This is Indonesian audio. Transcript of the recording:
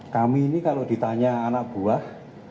kami ini kalau ditanya anak buah